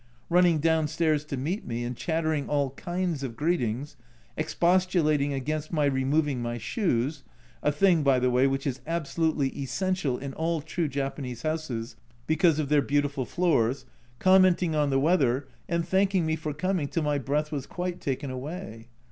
Running downstairs to meet me and chattering all kinds of greetings, expostulating against my removing my shoes (a thing, by the way, which is absolutely essential in all true Japanese houses, because of their beautiful floors), commenting on the weather, and thanking me for coming till my breath was quite taken away.